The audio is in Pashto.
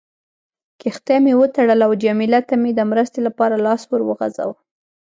کښتۍ مې وتړله او جميله ته مې د مرستې لپاره لاس ور وغځاوه.